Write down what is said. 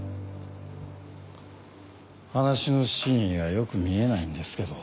話の真意がよく見えないんですけど。